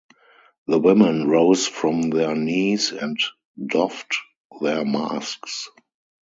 The women rose from their knees and doffed their masks.